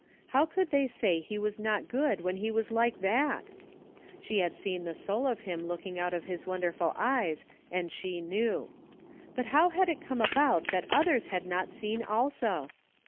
How could they say he was not good when he was like that ? She had seen the soul of him looking out of his wonderful eyes and she knew. But how had it come about that others had not seen, also?